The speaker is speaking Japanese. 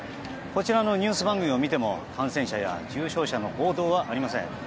こちらのニュース番組を見ても感染者や重症者の報道はありません。